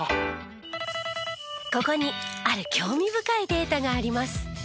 ここにある興味深いデータがあります。